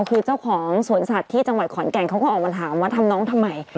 คือเจ้าของสวนสัตว์ที่จังหวัดขอนแก่นเขาก็ออกมาถามว่าทำน้องทำไม